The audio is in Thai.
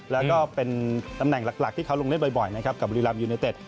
แล้วก็เป็นตำแหน่งหลักที่เขาลงเล่นบ่อยนะครับกับบุรีรัมยูเนเต็ด